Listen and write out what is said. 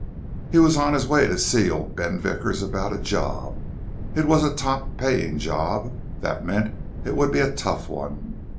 He was on his way to see old Ben Vickers about a job. It was a top paying job. That meant it would be a tough one.